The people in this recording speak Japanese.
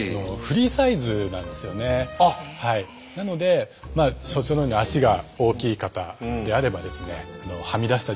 なのでまあ所長のように足が大きい方であればですねオーケーなんですね？